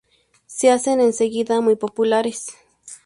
Se hacen enseguida muy populares.